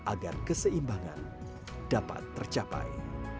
agar keseimbangan dapat tercapai